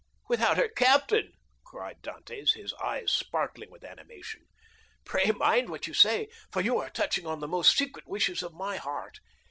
"Without her captain!" cried Dantès, his eyes sparkling with animation; "pray mind what you say, for you are touching on the most secret wishes of my heart.